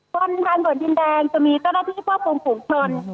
ทางด่วนดินแดงจะมีเจ้าแรกที่พ่อผงผลคลน